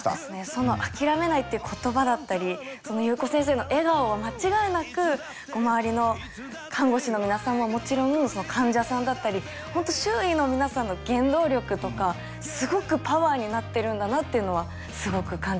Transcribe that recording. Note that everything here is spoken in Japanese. そのあきらめないっていう言葉だったり夕子先生の笑顔は間違いなく周りの看護師の皆さんはもちろん患者さんだったり本当周囲の皆さんの原動力とかすごくパワーになってるんだなっていうのはすごく感じました。